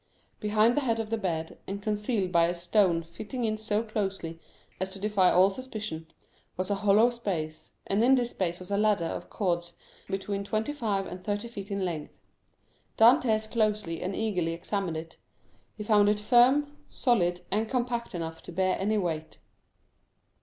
Behind the head of the bed, and concealed by a stone fitting in so closely as to defy all suspicion, was a hollow space, and in this space a ladder of cords between twenty five and thirty feet in length. Dantès closely and eagerly examined it; he found it firm, solid, and compact enough to bear any weight.